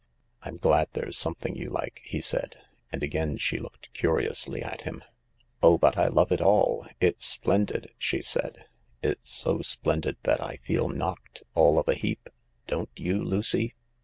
" I'm glad there's something you like," he said ; and again she looked curiously at him. " Oh, but I love it all ! It's splendid !" she said. " It's so splendid that I feel knocked all of a heap— don't you, Lucy